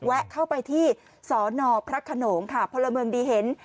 แวะเข้าไปที่ศนพระขนมพลเมิงดีเห็น